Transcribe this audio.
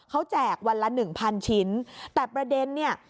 เขาแจกวันละหนึ่งพันชิ้นแต่ประเด็นเนี่ย